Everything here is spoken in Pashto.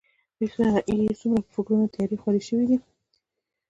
يې څومره په فکرونو تيارې خورې شوي دي.